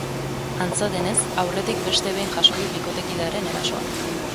Antza denez, aurretik beste behin jaso du bikotekidearen erasoa.